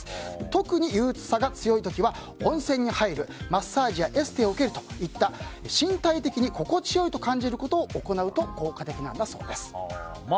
特にゆううつさが強いときは温泉に入るマッサージやエステを受けるといった身体的に心地良いと感じることを行うと効果的なんだそうです。